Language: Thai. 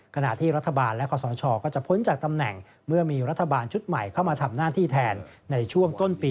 ขณะที่รัฐบาลและขอสชก็จะพ้นจากตำแหน่งเมื่อมีรัฐบาลชุดใหม่เข้ามาทำหน้าที่แทนในช่วงต้นปี